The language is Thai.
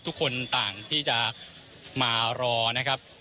ทุกคนต่างที่จะมารอนะครับ